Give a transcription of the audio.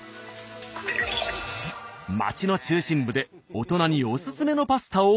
街の中心部で大人におすすめのパスタを聞き込むことに。